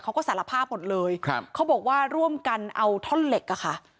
เขาก็สารภาพหมดเลยครับเขาบอกว่าร่วมกันเอาท่อนเหล็กอะค่ะ